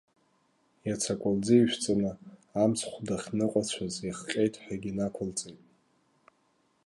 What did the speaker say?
Иац акәалӡы ишәҵаны, амцхә дахьныҟәацәаз иахҟьеит ҳәагьы нақәылҵеит.